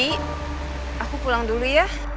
aku pulang dulu ya